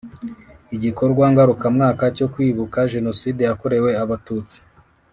igikorwa ngarukamwaka cyo kwibuka jenoside yakorewe abatutsi